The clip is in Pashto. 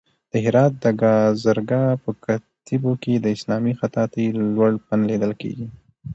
د هرات د گازرګاه په کتيبو کې د اسلامي خطاطۍ لوړ فن لیدل کېږي.